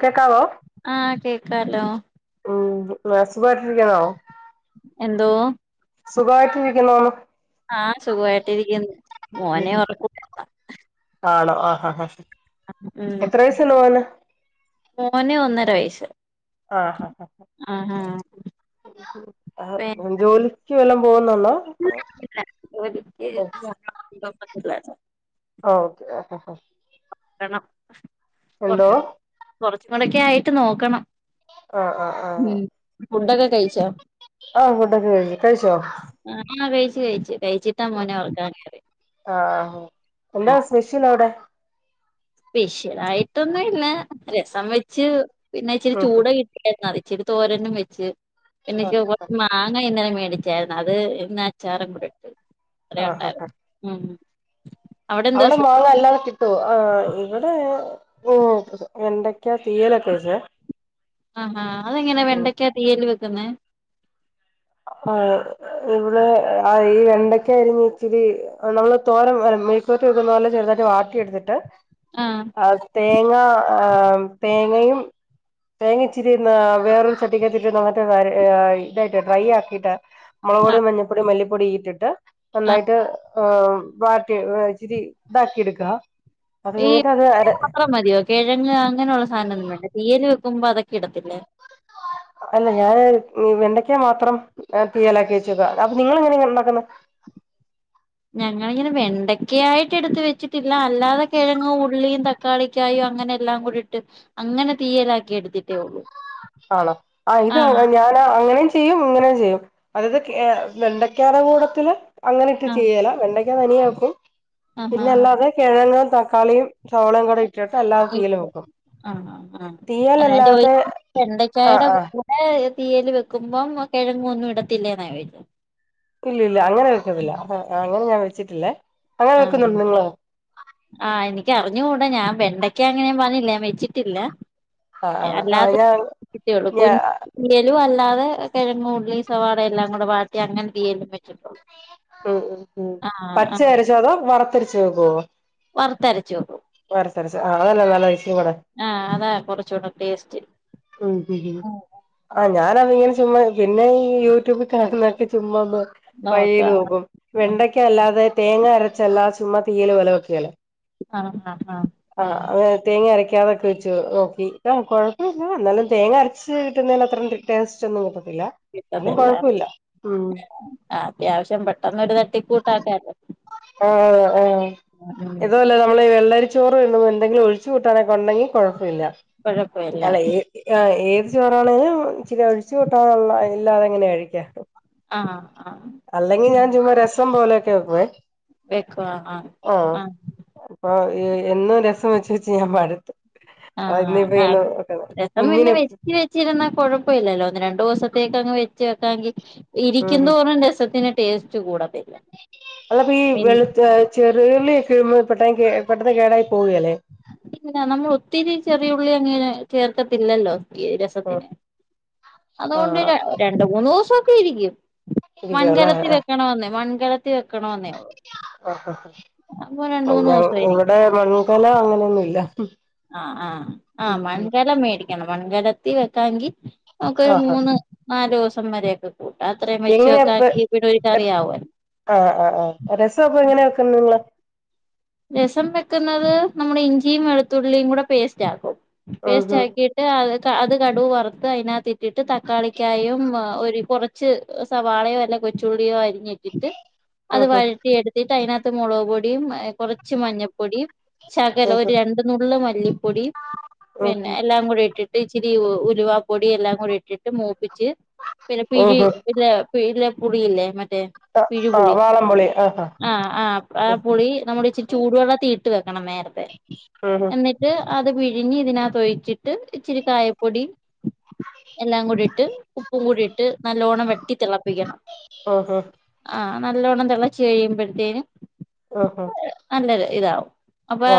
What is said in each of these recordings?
കേക്കാവോ ആഹ് കേക്കാലോ മ് മാക്സ് പഠിപ്പിക്കാണൊ എന്തോ സുഖായിട്ടിരിക്കുന്നോന്ന് ആ സുഖായിട്ടിരിക്കുന്നു മോനെ ഉറ ഹാ ഹഹാ ഉം മോന് ഒന്നര വയസ്സ് ആഹാ ആ ജോലിക്ക് വല്ലം പോവു ഇല്ല ഇല്ല ജോലിക്ക് ആഹ് [inaudible] ഓ ഓക്കെ ഇടണം എന്തോ കൊറച്ച് കൊറച്ചും കൂടിയൊക്കെ ആയിട്ട് നോക്കണം. ആഹ് ആഹ് ഉം ഫുഡൊക്കെ കഴിച്ചോ? ആ ഫുഡൊക്കെ കഴിഞ്ഞു. കഴിച്ചോ? കഴിച്ച് കഴിച്ച് കഴിച്ചിട്ടാ മോനെ ഉർക്കാൻ കയറിയേ ആ ഓ എന്താ സ്പെഷ്യൽ അവിടെ സ്പെഷ്യൽ ആയിട്ടൊന്നും ഇല്ല. രസം വെച്ചു. പിന്നെ ഇച്ചിരി ചൂട കിട്ടിയേരുന്നു അതി ഇച്ചിരി തോരനും വെച്ച് പിന്നെ ഇച്ചിരി കുറച്ച് മാങ്ങ ഇന്നലെ മേടിച്ച് വച്ചായിരുന്നു. അത് ഇന്ന് അച്ചാറും കൂടെ ഇട്ട് അതെ ആഹ് ഹാ. ഉണ്ടായിരുന്നു. എന്താ അവിടെ സ്പെ മാങ്ങ അല്ലാതെ കിട്ടോ ആ ഇവടെ ഓ വെണ്ടക്കാ തീയലൊക്കെ വച്ചേ ആ ആ അതെങ്ങനെയാ വെണ്ടക്കാ തീയല് വെക്കുന്നെ ആ ഇവിടെ ആ ഈ വെണ്ടക്ക അരിഞ്ഞ് ഇച്ചിരി നമ്മള് തോരൻ പോലെ മെഴുക്കു വരട്ടി വയ്ക്കുന്ന പോലെ ചെുതായിട്ട് വാട്ടിയെടുത്തിട്ട് ആഹ് ആ തേങ്ങ ആ തേങ്ങയും തേങ്ങ ഇച്ചിരി ന്ന വേറൊരു ചട്ടിക്കാകത്തിട്ട് നന്നായിട്ട് വര ആ ഇതായിട്ടെ ഡ്രൈ ആക്കീട്ട് മുളക് ആഹ് പൊടിം മഞ്ഞൾപ്പൊടിം മല്ലിപ്പൊടി ഇട്ടിട്ട് ആഹ് നന്നായിട്ട് ആ വരട്ടി ഇച്ചിരി ഇതാക്കി എടുക്കാ ഈ മാത്രം മതിയോ കിഴങ്ങ് അങ്ങനെയുള്ള സാധനം ഒന്നും വേണ്ടേ തീയല് വക്കു മ്പേ അതൊക്കെ ഇടത്തില്ലേ. അല്ല ഞാന് വെണ്ടയ്ക്ക മാത്രം തീ്യാലാക്കി വെച്ചേക്കുവാ. അപ്പെ നിങ്ങള് എങ്ങനെ ഉണ്ടാക്കുന്നെ? ഞങ്ങളിങ്ങനെ വെണ്ടക്കായിട്ട് എടുത്ത് വെച്ചിട്ടില്ല. അല്ലാതെ കിഴങ്ങും ഉള്ളിയും തക്കാളിക്കായു അങ്ങനെ എല്ലാം കൂടിട്ട് അങ്ങനെ തീയലാക്കി എടുത്തിട്ടേ ഒള്ളൂ. ആണോ ആ ഇത് ഞാനാ അങ്ങനെയും ചെയ്യും ഇങ്ങനെയും ചെയ്യും. അതത് കേ വെണ്ടയ്ക്കാന കൂടത്തില് അങ്ങനെ ഇട്ട് ആഹ് ചെയ്യേല. വെണ്ടയ്ക്ക തനിയെ വെക്കും ആഹ് പിന്നെ ആഹ് അല്ലാതെ കിഴങ്ങ് തക്കാളിയും സവോളേയും കൂടി ഇ ട്ടട്ട് അല്ലാതെ തീയല് ഇട്ട് വെക്കും. തീയലല്ലാതെ ആ വെണ്ടക്കായയുടെ ആ കൂടെ തീയൽ വെക്കുമ്പം കിഴങ്ങ് ഒന്നും ഇടത്തില്ലെന്നാ ചോയിച്ചേ ഇല്ല ഇല്ല അങ്ങനെ വെക്കുന്നില്ല അപ്പെ അങ്ങനെ ഞാൻ വെച്ചിട്ടില്ലേ. അങ്ങനെ വെക്കുന്നുണ്ടോ നിങ്ങള്. ആ എനിക്ക് അറിഞ്ഞൂടാ ഞാൻ വെണ്ടക്ക അങ്ങനെയും പറഞ്ഞ് ഞാൻ വെച്ചിട്ടില്ല. ആ ആ ആ അല്ലാതെ ഞാൻ കുട്ടികള് ഞാ [unintelligible] അല്ലാതെ കിഴങ്ങ് ഉള്ളി സവാള എല്ലാം കൂടെ വാട്ടി അങ്ങനെ തീയലും വച്ചിട്ടുള്ളൂ. ഉ ഉം ഉം പച്ചയരച്ചോ അതോ വറുത്തരച്ച് വെക്കോ? വർത്തരച്ചു വക്കും വറുത്തരച്ച് ആ അതല്ല നല്ല ടേസ് ആ അതാ കുറച്ചൂടെ ടേസ്റ്റ് ഉം ഉം ഉം ആ ഞാനതിങ്ങനെ ചുമ്മാ. പിന്നെ ഈ യൂട്യൂബിൽ കാണുന്നൊക്കെ ചുമ്മാ ഒന്ന് ട്രൈ ചെയ്ത് നോക്കാം നോക്കും. ആഹ് വെണ്ടയ്ക്ക അല്ലാതെ തേങ്ങ അരച്ചല്ലാതെ ചുമ്മാ തീയല് പോലേ വക്കേലെ. ആഹ് ആഹ് ആ ആഹ് അങ്ങ് തേങ്ങ അരക്കാ തെ വച്ചു നോക്കി. ആ കൊഴപ്പോല്ല. എന്നാലും തേങ്ങ അരച്ച് കിട്ടുന്നേല് അത്രയും ടേസ്റ്റ് കിട്ട കിട്ട ത്തി ല്ല. അത്യാവശ്യം പെട്ടന്ന് ഒരു തട്ടി കൂട്ടാക്കല്ലോ ആ ആ ആ ഇതല്ല നമ്മള് വെള്ളരിച്ചോറ് ഇന്ന് എന്തെങ്കിലും ഒഴിച് കൂട്ടാനെ ഉണ്ടെങ്കി കുഴപ്പമില്ല കുഴപ്പമില്ല അല്ല ഏഏ ഏത് ചോറാണ് ഇച്ചിരി ഒഴിച്ച് കൂട്ടാനുള്ള ത് ല്ലാതെങ്ങനെയ കഴിക്ക ആഹ് ആഹ് അല്ലെങ്കി ഞാൻ ചുമ്മാ രസം പോലെയൊക്കെ വെക്കുമേ വെക്കുവാ ആഹ് ആഹ ആഹ് അപ്പൊ എന്നും രസം വെച്ച വെച്ച ഞാൻ പാട് ആഹ് അതെ രസം ഇന്ന് കുഞ്ഞിന് വെച് വെച്ചിരുന്നാ കൊഴപ്പല്ലല്ലോ ഒന്ന് രണ്ടു ദിവസത്തേക്ക് അങ്ങ് വെ ച്ചേട്ടാങ്കി ഇരിക്കുന്നോറും രസത്തിന്റെ ടേസ്റ്റ് കൂടതെ അല്ലപ്പോ ഈ വെള്ള ചെറുള്ളിയോക് പ്പോ പെട്ട കേ പെട്ടെന്ന് കേടായി പോവേല്ലേ ഇങ്ങനെ നമ്മൾ ഒത്തിരി ചെറിയ ഉുള്ളി അങ്ങനെ ചേർത്തത്തില്ലല്ലോ ഇ ആഹ് രസത്തിന് അതുകൊണ്ട് ആഹ് രണ്ട് മൂന്നോസക്കെ ഇരിക്കും ഇരിക്കുവല്ലേ മൺകലത്തി ആഹ് വെക്കണോന്നേ മൺകലത്തി വെക്കണോന്നേ ഉള്ളൂ അഹ് ഹ അപ്പൊ രണ്ട് മൂന്ന് ഹഅംഞ്ഞം ദിവസം ഇരിക്കും ഇവിടെ മൺകല അങ്ങനെയൊന്നുല്ല ഉം ആ ആഹ് ആഹ് ഉം മൺകലം മേടിക്കണം മൺകലത്തി വെക്കാമെങ്കിൽ നമുക്ക് ഒരു ആഹ് മൂന്ന് നാലോസം മര്യായിക്ക്കും എങ്ങനെയപ് എപ് കറിയാവുമല്ലോ ആഹ് ആഹ് ആഹ് രസപ്പൊ എങ്ങനെയ ക്കുന്നെ നിങ്ങള് രസം വെക്കുന്നത് നമ്മുടെ ഇഞ്ചിയും വെളുത്തുള്ളിയും കൂടെ പേസ്റ്റ് ആക്കും ഉം ഉം പേസ്റ്റാകീട്ട് അത് ക അത് കടുവ് വറുത്ത് അതിനകത്ത് ഇട്ടിട്ട് തക്കാളിക്കായും കുറച്ച് സവാളയോ അല്ല കൊചുള്ളി [unintelligible] അത് ഉം വഴറ്റി എടുത്തിട്ട് അതിനകത്ത് മുളക് പൊടിയും കുറച്ച് മഞ്ഞപ്പൊടിം ഉം ശകലം ഒരു ഉം രണ്ടു നുള്ള മല്ലിപ്പൊടി പിന്നെ ഉം എല്ലാം കൂടി ഇട്ടിട്ട് ഇച്ചിരി ഉലവാ പൊടി എല്ലാം കൂടി ഇട്ടിട്ട് മൂപ്പിച്ച് പിന്നെ ഉം ഉം ഉം പില്ല ഇല്ല പുടില്ലെ മറ്റ ആഹ് ആഹ് പിഴ്ഞ്ഞപുളി വാളംപുളി ആഹ് ആഹ് ആ ആ ആ ഉം ഹ് പുളി നമ്മുടെ ചി ചൂടുവെള്ള തീ ഇട്ട് വെക്കണം നേരത്തെ ഉം എന്നിട്ട് അത് പിഴിഞ് ഇതിനാതൊയിച്ചിട്ട് ഇച്ചിരി കായപ്പൊടി എല്ലാം കൂടിട്ട് ഉപ്പും കൂടിട്ട് നല്ലോണ്ണം വെട്ടി തിളപ് മൂപ്പിക്കണം ഉം ഉം ആ നല്ലവണ്ണം തിളച്ച് കഴിയുമ്പോഴത്തേനും ആഹ് ആ ഹ് ഇതാഉ അപ്പാ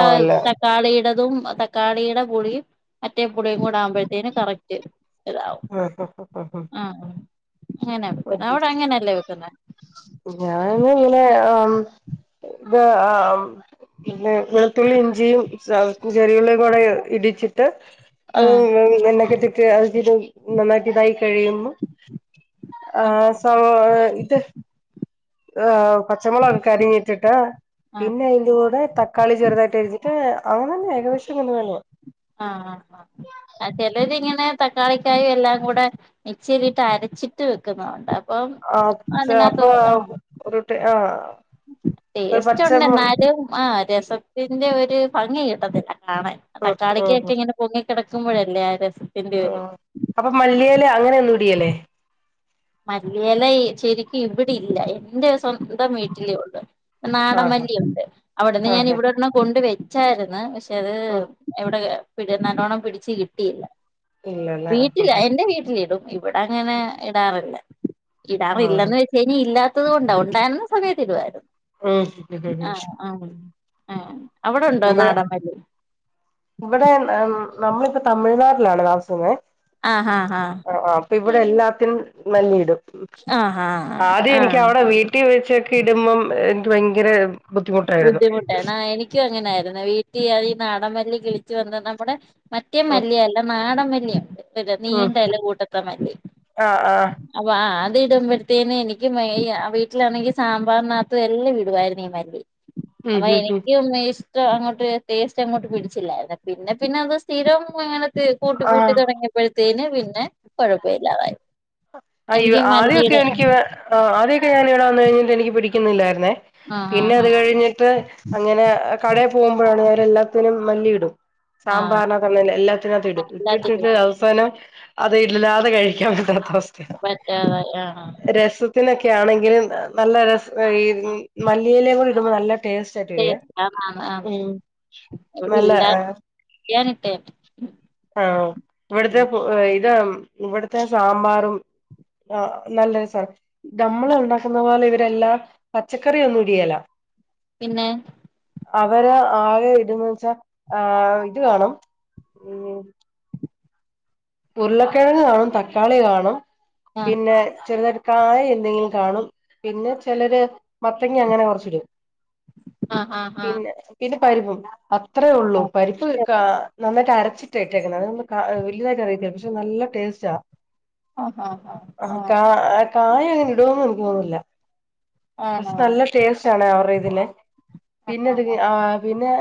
തക്കാളിയ്ടെ തും തക്കാളിയുടെ പുളിയും മറ്റേ പുളിയും കൂടെ ആവുമ്പോഴത്തേും കറക്റ്റ് അതാവും ആഹ് ആഹ് ആഹ് അങ്ങനെ വെക്കുന്നെ അവിടെ അങ്ങനെയല്ലേ വെക്കുന്നെ ഞാന് ഇങ്ങനെ ആഹ് മ് ത് ആ പിന്ന വെളുത്തുള്ളി ഇഞ്ചിയും ചതക്കും ചെറിയുള്ളീമ്ബാടെ ഇടി വെച്ചിട്ട് അത് ആഹ് ന്നൊക്കെ തെ അ നന്നായിട്ട് ഇതായി കഴിയുമ്പോ ആഹ് സോ ഇത് ആഹ പച്ചമുളകൊ കരിഞ്ഞിട്ടിട്ട് ആഹ് പിന്നെ അയ്ന്റെ കൂടെ തക്കാളി ചെറുതായിട്ട് ഏര് മറ്റുള്ളേ അങ്ങനെന്നെ ഏകദേശം ങ്ങനെന്നെ വേണം ആഹ് ആഹ് ആഹ് അഹ് ചലര്ങ്ങ നെ തക്കാളിക്കായും എല്ലാം കൂടെ മിക്സിലിട്ട് അരച്ചിട്ട് വെക്കുന്നണ്ട് അപ്പം ആഹ് പക്ഷെ അതിനകത്ത് അപ്പൊ വരണം ഒരു ടെ ആഹ് ഒരു ടേസ്റ്റ് ഉണ്ട് പച്ചമു എന്നാലും ആ രസത്തിന്റെ ഒരു ഭംഗി കിട്ടത്തില്ല ആണെ ഉം തക്കാളിക്കൊക്കെ ഇങ്ങനെ പൊങ്ങി കിടക്കുമ്പോഴല്ലേ ആ രസം ആഹ് അപ്പൊ മല്ലിയെല അങ്ങനെന്നും ഇടിയല്ലേ മല്യേല ശരിക്കും ഇവിടെ ഇല്ല എന്റെ സ്വന്തം വീട്ടിലേ ഉള്ളൂ ആഹ് നാടൻമല്ലിയുണ്ട് അവിടുന്ന് ഞാൻ ആഹ് ഇവിടെണം കൊണ്ട് വെച്ചായിരുന്നു ഷേ ത് ഉം എവിടെ പിന്നെ നല്ലോണം പിടിച്ച് കിട്ടിയില്ല ഇല്ലല്ലേ ആഹ് വീട്ടില എന്റെ വീട്ടിലിടും. ഇവിടെ, അങ്ങനെ ഇടാറില്ല. ആഹ് ഉം ഇടാറില്ലന്ന് വെച്ച് കഴിഞ്ഞ ഇല്ല. ത്തത്കൊണ്ട, ഉണ്ടായിരുന്ന സമയത്ത് ഇടുവായിരുന്നു. ആ ആ ഉം ആ അവിടെണ്ടോ നാടൻ മല്ലി ഇവിടെ നമ്മളിപ്പോ തമിഴ്നാട്ടിലാണ് താമസ [unintelligible] ആ ആ ആ ഇവിടെ എല്ലാത്തിനും മല്ലി ഇടും ആഹ് ആഹ് ആദ്യം എനിക്ക് ആഹ് അവിടെ വീട്ടി വെച്ച് ക്കെ ഇണ്ടുമ്പോ ഇന്ക് ഭയങ്കര ബുദ്ധിമുട്ടായിരുന്നു ബുദ്ധിമുട്ടാണ് അ എനിക്കും അങ്ങനായിരുന്നു വീട്ടി അത് ഈ നാടൻമല്ലി കിളിച്ചു വന്ന നമ്മുടെ മറ്റേ ഉം മല്ലി അല്ല നാടൻ മല്ല്യ [unintelligible] ഉം നീന്തല കൂട്ടത്തെ മതി ആഹ് ആഹ് അപ്പൊ ആ ആ ത് ഇടുമ്പത്തേന് എനിക്ക് [unintelligible] വീട്ടിലാണെങ്കിൽ സാമ്പാറികത്തും എല്ലാം ഇടുവായിരുന്നു ഈ മല്ലി ഉം അതാ ഉം ഉം എനിക്കും ഇഷ് ഇഷ്ടം അങ്ങോട്ട് ടേസ്റ്റ് അങ്ങോട്ട് പിടിച്ചില്ലായിരുന്നു, പിന്നെ പിന്നെ അത് സ്ഥിരം അങ്ങനെ. ത് കൂട്ടി കൂട്ടി ആഹ് തുടങ്ങിയപ്പോഴത്തേന് പിന്നെ കുഴപ്പമ ഇല്ലാതായി അ ഐ ആദ്യക്കെ എനിക്ക് വെ അ ആദ്യക്കെ ഞാൻ ഇവിടെ വന്ന് കഴിഞ്ഞിട്ട് എനിക്ക് പിടിക്കുന്നില്ലായിരുന്നേ ആഹ് പിന്നെ, അത് ആഹ് കഴിഞ്ഞിട്ട് അങ്ങനെ കടെ പോകുമ്പോഴാണ് അവര് എല്ലാറ്റിനും മല്ലിയിടും. ആഹ് സാമ്പാറിന [unintelligible] എല്ലാത്തിനകത്തും ഇടും ആഹ് എല്ലാത്തിനും ഇട്ടിട്ട് അവസാനം അത് ഇല്ലല്ലാതെ കഴിക്കാൻ പറ്റാത്ത അവസ്ഥയാണ്. പറ്റാതായി ആഹ് രസത്തിലൊക്കെ ക്കെ ആണെങ്കിലും, നല്ല രസ ഈ മല്ലിയില കൂടി ഇടുമ്പോൾ നല്ല ടെ ടേസ്റ്റ് ആണ് ആണ് ആണ് [unintelligible] ഉം ഇവിടെ നല്ല ഇല്ല ആ അറിയാനിട്ടെ ആ ഇവിടുത്തെ ഇത് ഇവിടുത്തെ സാമ്പാറും ആ നല്ല സാണ് നമ്മള് ഉണ്ടാക്കുന്ന പോലെ ഇവരെല്ലാ പച്ചക്കറിയൊന്നും ഉരിയേല പിന്നെ അവര് ആകെ ഇട്ന്ന് വച്ചാ ആ ഇത് കാണും ഉ ഉരുളക്കിഴങ്ങ് കാണും തക്കാളി കാണും ആഹ് പിന്നെ ചെറുതായിട്ട് കായ എന്തെങ്കിലും കാണും, പിന്നെ ചെലര് മത്തങ്ങ അങ്ങനെ കോറച്ച് ടും. ആഹ് ആഹ് പിന്നെ പിന്നെ പരിപ്പും അത്രേ ഉള്ളൂ പരിപ്പ് കാ നന്നായിട്ട് അരച്ചിട്ടായിട്ടേക്കുന്നത് അത് വലുതായിട്ട് അറിയത്തില്ല പക്ഷെ നല്ല ടെസ്റ്റാ ആഹ് ആഹ് ആഹ് ആഹ് ആഹ് കായ അങ്ങനെ ഇടോന്ന് എനിക്ക് തോന്നുന്നില്ല പക്ഷേ ആണോ നല്ല ടെസ്റ്റാണ് അവർ ഇതിനെ ആഹ് പിന്നെത് ആഹ് ആഹ് ആ പിന്നെ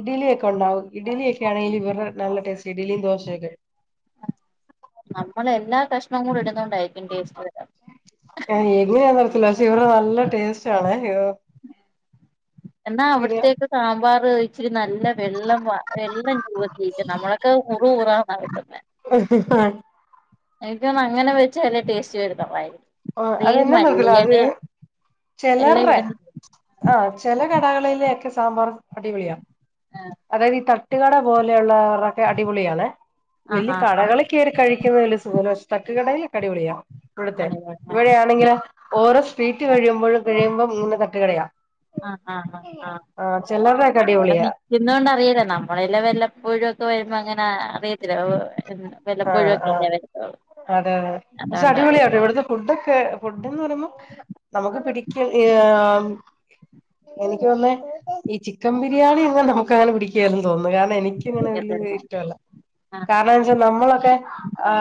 ഇഡലിയൊക്കെ ഉണ്ടാവും, ഇഡലിയഒക്കെ ആണെങ്കിൽ ഇവര് നല്ല ടേസ്റ്റ് ഇഡലി ദോശയൊക്കെ. നമ്മൾ, എല്ലാ കഷ്ണവും ഇടുന്നൊണ്ട്. യെങ്ങനെ അറിയത്തില്ല പശേ ഇവിടെ നല്ല ടേസ്റ്റാണെ യോ എന്നാ അവിട്ത്തേക്ക് സാമ്പാറിച്ചിരി നല്ല ല്ല വെള്ളം വ വെള്ളം [unintelligible] നമ്മളക്കെ ഉറു ഉറന്നായിട്ടല്ലെ ഉം അ ആ എനിക്കോന്നു അങ്ങനെ വെച്ച ല്ല ടേസ്റ്റ് [unintelligible] ആ അത് ഈ അതെന്ന നോക്കീല അത് മല്ലിയെല എല്ലാം ചിലർടെ ഇടുന്ന ആ ചെല കടകളിലെ ഒക്കെ സാമ്പാർ അടിപൊളിയാണ് അതായത് ഈ തട്ടുകട പോലെയുള്ള അതോക്കെ അടിപൊളിയാണ് ആഹ് വലിയ ആഹ് ആഹ് കടകളൊക്കേറി കഴിക്കുന്നത് വലിയ സുഖല്ല ശേ തട്ടു കടയിലൊക്കെ അടിപൊളിയാ ഇവിടുത്തെ ആഹ് ആഹ് ഇവിടെയാണെങ്കില് ഓരോ സ്ട്രീറ്റ് കഴിയുമ്പോഴും കഴിയുമ്പോ ഇങ്ങനെ തട്ടുകടയാ ആഹ ആഹ് ആഹ് ആ ചിലരുടെയൊക്കെ ആ അവിടെ അടിപൊളിയാ നിക്കുന്നോണ്ട് അറിയലോ നമ്മളെല്ലാം വല്ലപ്പോഴും ഒക്കെ വരുമ്പോ അങ്ങനെ അറിയത്തില്ല വല്ലപ്പോഴും ആഹ് ആഹ് ഒക്കെല്ലേ വരത്തോളൂ അതെ അതെ പക്ഷെ അതുകൊണ്ട് അടിപൊളിയട്ടോ അറിയത്തില്ല ഇവിടുത്തെ ഫുഡൊക്കെ ഫുഡ്ഡ്ന്ന്പറയുമ്പോ നമുക്ക്പിടിക്ക [unintelligible] എനിക്ക്ഒന്നേ ഈചിക്കൻ ബിരിയാണി എങ്ങനെ നമുക്ക്ങ്ങനെ പിടിക്കിയാലാന്ന്തോന്നു കാരണംഎനിക്ക്ങ്ങനെ അതൊക്കെ തന്നെ വലിയഇഷ്ടല്ല ആഹ് കാരണംച്ച നമ്മളൊക്കെ ആ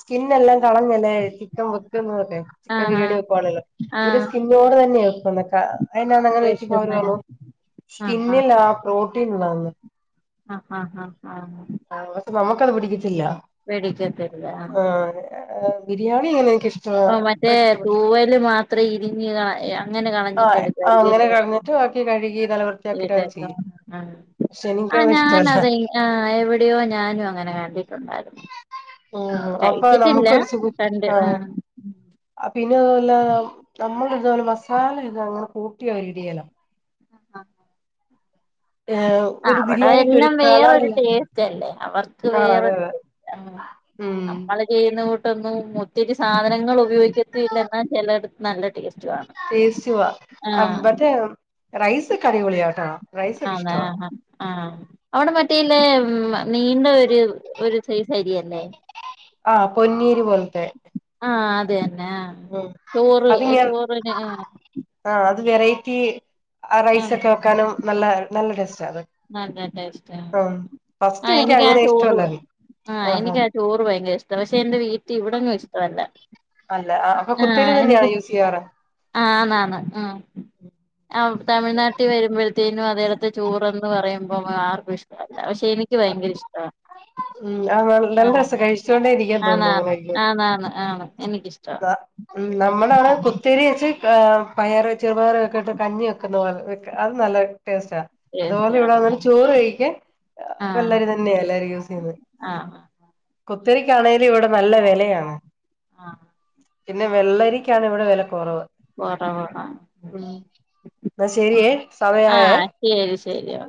സ്കിൻ ന്നെല്ലാം കളഞ്ഞല്ലേ ചിക്കൻവെക്ക്ന്ന്ക്കോ ചിക്കൻ ആഹ് ആഹ് ബിരിയാണിവെക്കുവാണല്ലോ ഒരു ആഹ് സ്കിംന്നോഡ്തന്നെ എൾപവെക്കാം വെക്കുന്ന [unintelligible] ആഹ് സ്കിംന്നിലാ ആ പ്രോട്ടീൻണ്ടാവുന്നെ ആഹ ആഹ ആഹ [unintelligible] നമ്മുക്കത് പിടിക്കത്തില്ല വേടിക്കത്തില്ല ആ ബിരിയാണി എനക്കിഇഷ് ആ മറ്റേ തൂവല്മാത്രം ഇരിഞ്ഞ [unintelligible] അങ്ങനെ കളഞ്ഞിട്ട്എടുക്കാ ആഹ് അങ്ങനെ കളഞ്ഞിട്ട് [unintelligible] ബാക്കി കഴുകി നല്ല വൃത്തിയാക്കിട്ട് അവര് ചെയ്യും [unintelligible] പക്ഷെ എനിക്കത് ഇഷ്ടല്ല ആഞാനത്ഇൻ ആ എവിടെയോ ഞാനുങ്ങനെ കണ്ടിട്ടുണ്ടായിരുന്നു ഉ കഴിച്ചിട്ടില്ല അപ്പൊനമ്മുക്കൊരു സുഖു കണ്ട് ആഹ ആഹ് പിന്നോതല്ല നമ്മള്ഇതുവോലെ മസാല ഇതുങ്ങ് കൂട്ടിയൊടിയല്ല ഏഹ് ഒരു ബിരിയാണിക്ക് ഒരു അവിടെഎല്ലാം കളറില്ല വേറൊരുടേസ്റ്റ്അല്ലേ അവർക്ക് ആഹ് അതെ അതെ വെറൊരുടേസ്റ്റ് ഉം ഉം നമ്മള്ചെയ്യുന്ന തൊന്നും ഒത്തിരിസാധനങ്ങൾ ഉപയോഗിക്കത്തില്ല എന്നച്ചെലെട്ത്ത് നല്ലടേസ്റ്റ്ല്ലെ ടേസ്റ്റ് [unintelligible] മറ്റേ റൈസ്ക്കെഅടിപൊളിയാട്ടോ റൈസൊക്കെഇഷ്ടാ ആ അവിടെമറ്റേന്ന് നീണ്ടഒരു ഒരുസൈസരിയല്ലേ? [unintelligible] പോൽത്തെ ചോറ് ചോറിന്ആ ആഹ് അത് വെറൈറ്റി അറൈസ്ക്കെ വെക്കാനും നല്ലനല്ല നല്ല ടേസ്റ്റ് ഫസ്റ്റ് ആഹ് എനിക്ക് ആ എനിക്ക്അങ്ങനെ ചോറ് ഇഷ്ടമല്ലാ ആഹ് എനിക്കാചോറ് ഭയങ്കരഷ്ട്ടാ പക്ഷെഎന്റെ വീട്ടീ ഇവിടൊന്നുഇഷ്ടമല്ല അല്ല ആ അപ്പൊകുത്തെരി തന്നെയാണ് യൂസ്യ്യാറ്? [unintelligible] അആണ് ആണ് തമിഴ്നാട്ടിൽവരുമ്പോഴ [unintelligible] അതെൽത്തെചോറ്ന്ന് പറയുമ്പോആർക്കുംഇഷ്ടമല്ല പക്ഷെ എനിക്ക് ഭയങ്കരഇഷ്ട്ടാ നല്ലരസം ആന്ന് കഴിച്ചൊണ്ടേരിക്കൻതോന്നുന്നു ആന്ന് ആന്ന് ആണ് എനിക്കിഷ്ടവാ [unintelligible] കുത്തിേരിവെച്ച് പയറ് ചെറുപയറൊക്കെട്ട് കഞ്ഞിവെക്കുന്നപോലെവെക്ക അത് നല്ല ടേസ്റ്റാ അതുപോലെ ടേസ്റ്റ് ഇവിടെന്ന് ചോറ്കഴിക്ക ആഹ് വള്ളരിതന്നെയ എല്ലാരുംയൂസ്ചെയ്യുന്നെ ആഹ് കുത്തരിക്കാണെങ്കലുംഇവിടെ നല്ലവിലയാണ് ആഹ പിന്നെവെള്ള രികണഇവിടെവില ക്കുറവ് [unintelligible] എന്നശരിയേ സമയായെ ആഹ് ശരി ശരി ഓ